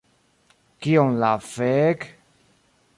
Kion la fek...